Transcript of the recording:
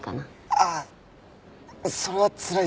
ああそれはつらいですね。